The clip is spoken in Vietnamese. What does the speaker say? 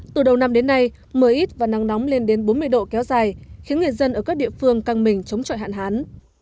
từ đầu năm đến nay mưa ít và nắng nóng lên đến bốn mươi độ kéo dài khiến người dân ở các địa phương căng mình chống trọi hạn hán